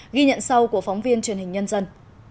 ghi nhận sau của phóng viên truyền hình nhân dân